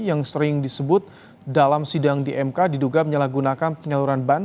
yang sering disebut dalam sidang di mk diduga menyalahgunakan penyaluran ban